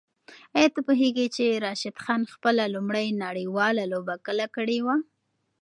آیا ته پوهېږې چې راشد خان خپله لومړۍ نړیواله لوبه کله کړې وه؟